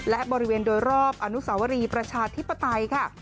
และบริเวณโดยรอบอนุสาวรีประชาธิปไตยค่ะ